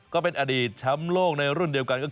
ก็เป็นอดีตแชมป์โลกในรุ่นเดียวกันก็คือ